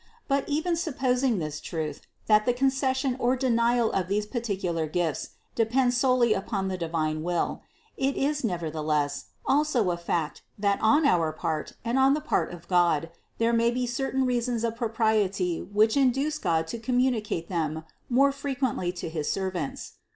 But, even supposing this truth, that the concession or denial of these particular gifts depends solely upon the divine will, it is nevertheless also a fact that on our part and on the part of God there may be certain reasons of propriety which induce God to communicate them more frequently to his servants.